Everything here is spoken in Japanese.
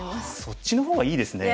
そっちの方がいいですね。